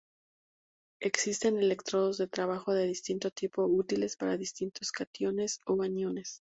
Existen electrodos de trabajo de distinto tipo útiles para distintos cationes o aniones.